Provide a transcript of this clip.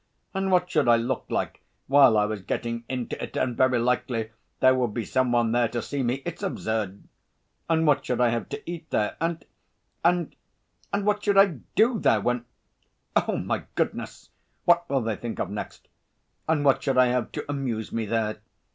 And what should I look like while I was getting into it, and very likely there would be some one there to see me! It's absurd! And what should I have to eat there? And ... and ... and what should I do there when.... Oh, my goodness, what will they think of next?... And what should I have to amuse me there?...